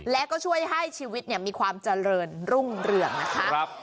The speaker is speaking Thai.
และก็ช่วยให้ชีวิตมีความเจริญรุ่งเรืองนะคะ